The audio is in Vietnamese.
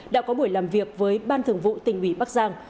đã có buổi làm việc với ban thường vụ tỉnh ủy bắc giang